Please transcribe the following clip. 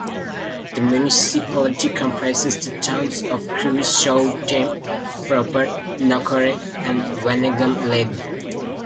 The municipality comprises the towns of Kruishoutem proper, Nokere and Wannegem-Lede.